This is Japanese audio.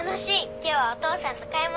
今日はお父さんと買い物行った。